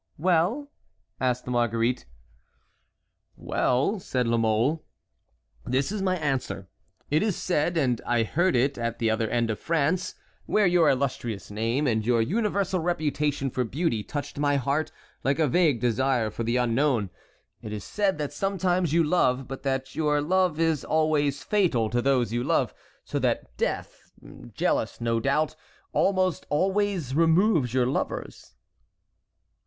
"Well?" asked Marguerite. "Well," said La Mole, "this is my answer: it is said, and I heard it at the other end of France, where your illustrious name and your universal reputation for beauty touched my heart like a vague desire for the unknown,—it is said that sometimes you love, but that your love is always fatal to those you love, so that death, jealous, no doubt, almost always removes your lovers."